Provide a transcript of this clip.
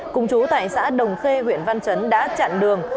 cùng chú tại xã đồng khê huyện văn chấn đã chặn đường